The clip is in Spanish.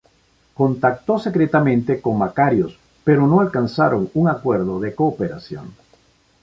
Contactó secretamente con Makarios pero no alcanzaron un acuerdo de cooperación.